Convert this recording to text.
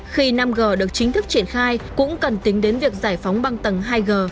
khi năm g được chính thức triển khai cũng cần tính đến việc giải phóng băng tầng hai g